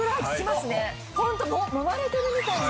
ホントもまれてるみたいな。